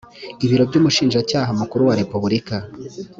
ibiro by umushinjacyaha mukuru wa repubulika